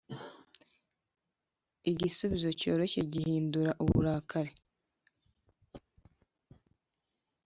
igisubizo cyoroshye gihindura uburakari.